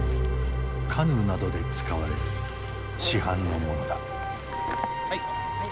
カヌーなどで使われる市販のものだ。